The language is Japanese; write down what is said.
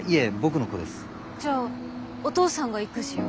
じゃあお父さんが育児を？